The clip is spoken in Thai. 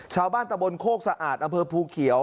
ชาวบ้านตะบนโคกสะอาดอำเภอภูเขียว